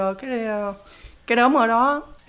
em cứ nghĩ cái này là do bệnh zona thôi chị